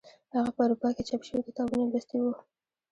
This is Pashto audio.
هغه په اروپا کې چاپ شوي کتابونه لوستي وو.